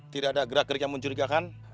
tidak ada gerak gerik yang mencurigakan